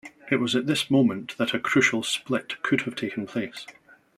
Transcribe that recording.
It was at this moment that a crucial split could have taken place.